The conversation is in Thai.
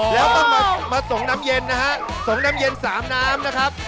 แล้วก็มาส่งน้ำเย็นนะฮะส่งน้ำเย็นสามน้ำนะครับ